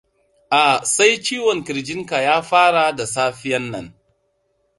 a sai ciwon kirjin ka ya fara da safiya nan